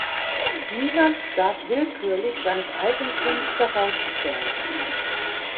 Niemand darf willkürlich seines Eigentums beraubt werden.